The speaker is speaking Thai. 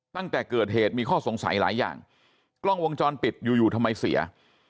ตั้งแต่เกิดเหตุมีข้อสงสัยหลายอย่างกล้องวงจรปิดอยู่อยู่ทำไมเสีย